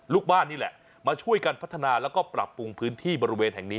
ลูกบ้านนี่แหละมาช่วยกันพัฒนาแล้วก็ปรับปรุงพื้นที่บริเวณแห่งนี้